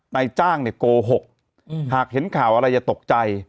นายจ้างเนี่ยโกหกหากเห็นข่าวอะไรอย่าตกใจ